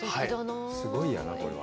すごいな、これは。